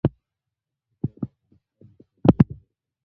پکتیکا د افغانستان د سیلګرۍ برخه ده.